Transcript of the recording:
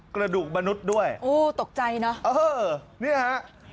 กระดูกมนุษย์ด้วยโอ้ตกใจเนอะเออเนี่ยฮะ